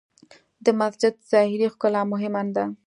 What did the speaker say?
د مسجد ظاهري ښکلا مهمه نه ده.